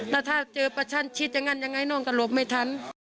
แล้วถ้าเจอประชันชิดอย่างนั้นยังไงน้องก็หลบไม่ทัน